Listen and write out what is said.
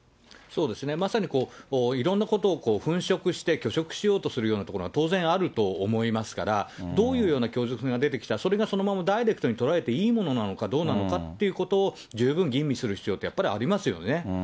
そうですね、まさにいろんなことを粉飾して、虚飾しようとするようなところが当然あると思いますから、どういうような供述が出てきたら、それがそのままダイレクトに捉えていいものなのかどうなのかということを十分吟味する必要ってやっぱりありますよね。